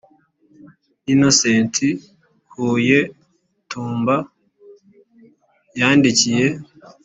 Innocent huye tumba yandikiye